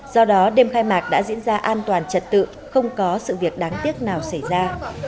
do đó đêm khai mạc đã diễn ra an toàn trật tự không có sự việc đáng tiếc nào xảy ra